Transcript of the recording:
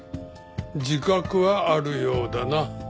自覚はあるようだな。